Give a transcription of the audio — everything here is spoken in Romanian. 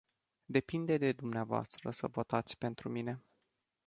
Depinde de dumneavoastră să votați pentru mine.